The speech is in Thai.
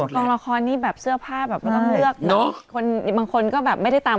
กองละครนี่แบบเสื้อผ้าแบบไม่ต้องเลือกเนอะคนบางคนก็แบบไม่ได้ตาม